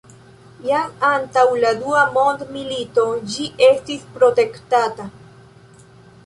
Jam antaŭ la dua mondmilito ĝi estis protektata.